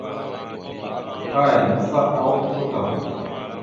Kay nagsáawak gokwa tam.